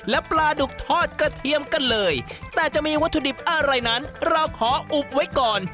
และปลาดุกทอดกระเทียมกันเลยแต่จะมีวัตถุดิบอะไรนั้นเราขออุบไว้ก่อน